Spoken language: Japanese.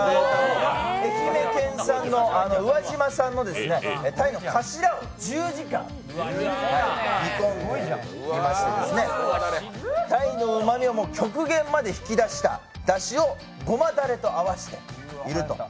愛媛県の宇和島産の鯛の頭を１０時間煮込んでいまして、鯛のうまみを極限まで引き出しただしをごまだれと合わせていると。